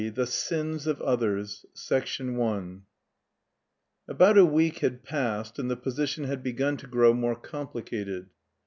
THE SINS OF OTHERS I ABOUT A WEEK had passed, and the position had begun to grow more complicated.